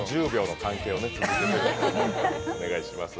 お願いしますよ。